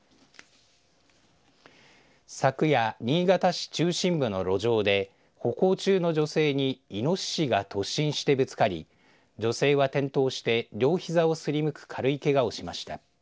昨夜、新潟市中心部の路上で歩行中の女性にいのししが突進してぶつかり女性は転倒して両ひざをすりむく軽いけがをしました。